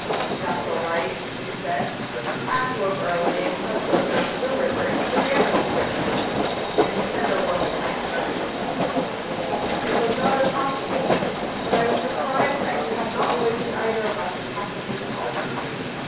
"'That's all right,' he said, 'Ash woke early, and has slipped down to the river in his pyjamas to get a swim. It's ten to one we find him there.' "It was not impossible, but I was surprised that he had not awakened either of us in passing through the hall.